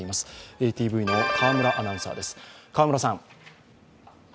ＡＴＶの河村アナウンサーです。